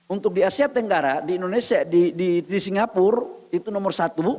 untuk di asia tenggara di singapura itu nomor satu